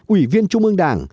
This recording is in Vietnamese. ủy viên trung ương đảng